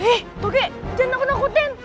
eh toge jangan nakut nakutin